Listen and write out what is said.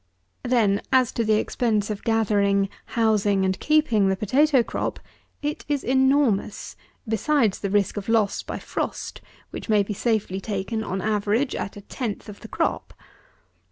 Then, as to the expense of gathering, housing, and keeping the potatoe crop, it is enormous, besides the risk of loss by frost, which may be safely taken, on an average, at a tenth of the crop.